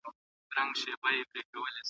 د فولجر کتابتون په امریکا کې یو مشهور ځای دی.